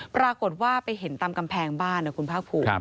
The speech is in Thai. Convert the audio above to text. ปรากฏว่าไปเห็นตามกำแพงบ้านนะคุณภาคภูมิ